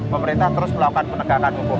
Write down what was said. pemerintah terus melakukan penegakan hukum